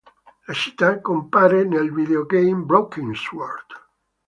La città compare nel videogame Broken Sword